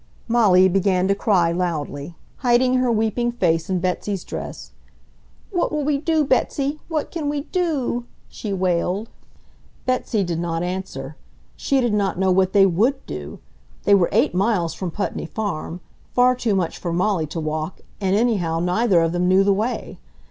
Molly began to cry loudly, hiding her weeping face in Betsy's dress. "What will we do, Betsy! What can we DO!" she wailed. Betsy did not answer. She did not know what they WOULD do! They were eight miles from Putney Farm, far too much for Molly to walk, and anyhow neither of them knew the way.